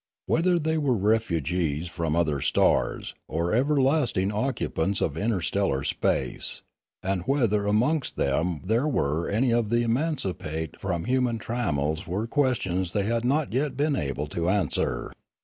Whether they were refugees from other stars, or everlasting oc cupants of interstellar space, and whether amongst them there were any of the emancipate from human trammels were questions they had not yet been able to 362 Limanora answer.